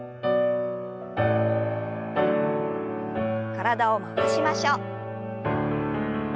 体を回しましょう。